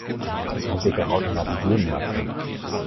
Das muss sich doch automatisieren lassen.